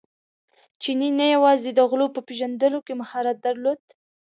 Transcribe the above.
چیني نه یوازې د غلو په پېژندلو کې مهارت درلود.